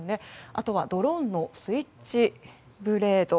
あとはドローンのスイッチブレード。